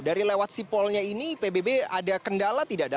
dari lewat sipol nya ini pbb ada kendala tidak